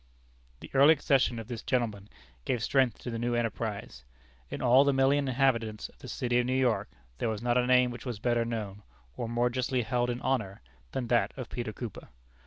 The early accession of this gentleman gave strength to the new enterprise. In all the million inhabitants of the city of New York there was not a name which was better known, or more justly held in honor, than that of Peter Cooper.